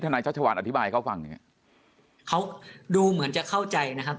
ที่ธนายเช้าชะวันอธิบายให้เขาฟังแบบเนี้ยเขาดูเหมือนจะเข้าใจนะครับ